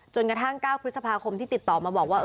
จนกระทั่ง๙พฤษภาคมที่ติดต่อมาบอกว่า